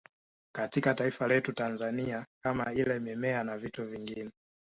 Katika taifa letu la Tanzania kama ile mimea na vitu vingine